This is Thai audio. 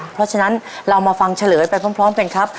เพราะฉะนั้นเรามาฟังเฉลยไปพร้อมกันครับ